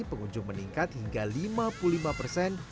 pengunjung meningkat hingga lima puluh lima persen